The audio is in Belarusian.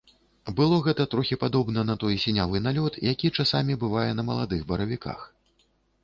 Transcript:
Было гэта трохі падобна на той сінявы налёт, які часамі бывае на маладых баравіках.